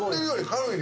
はい。